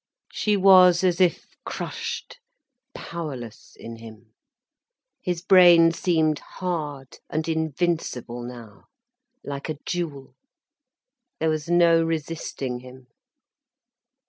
She was as if crushed, powerless in him. His brain seemed hard and invincible now like a jewel, there was no resisting him.